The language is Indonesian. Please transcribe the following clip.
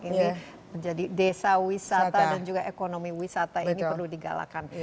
ini menjadi desa wisata dan juga ekonomi wisata ini perlu digalakan